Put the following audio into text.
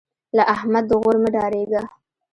له احمد د غور مه ډارېږه.